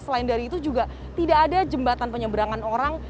selain dari itu juga tidak ada jembatan penyeberangan orang